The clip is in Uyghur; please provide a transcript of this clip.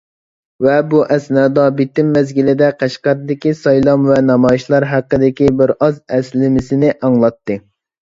ۋە بۇ ئەسنادا بېتىم مەزگىلىدە قەشقەردىكى سايلام ۋە نامايىشلار ھەققىدىكى بىرئاز ئەسلىمىسىنى ئاڭلاتتى.